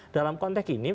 dalam konteks ini